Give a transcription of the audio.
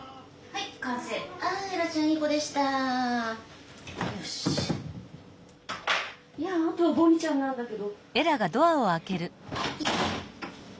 いやあとはボニーちゃんなんだけど。